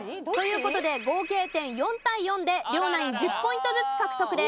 事で合計点４対４で両ナイン１０ポイントずつ獲得です。